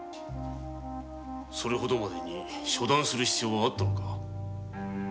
それほどまでに処断する必要があったのか？